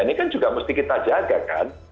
ini kan juga mesti kita jaga kan